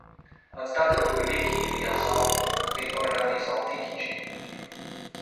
Anstataŭ nuligi jasakon li ordonis altigi ĝin.